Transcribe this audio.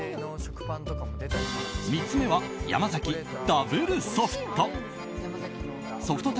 ３つ目はヤマザキ、ダブルソフト。